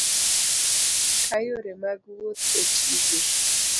Ka yore mag wuoth otigo